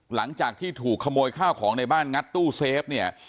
หลังจากที่ถูกขโมยข้าวของในบ้านงัดตู้เซฟเนี่ย